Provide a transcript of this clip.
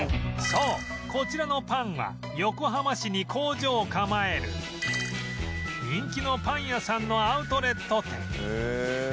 そうこちらのパンは横浜市に工場を構える人気のパン屋さんのアウトレット店